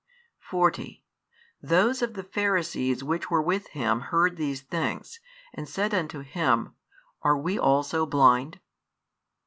40 Those of the Pharisees which were with Him heard these things, and said unto Him, Are we also blind?